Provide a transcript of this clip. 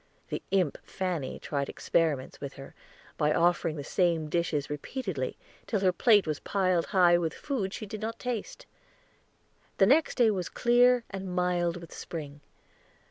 The imp Fanny tried experiments with her, by offering the same dishes repeatedly, till her plate was piled high with food she did not taste. The next day was clear, and mild with spring.